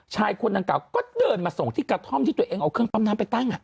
ชายคนดังกล่าก็เดินมาส่งที่กระท่อมที่ตัวเองเอาเครื่องปั๊มน้ำไปตั้ง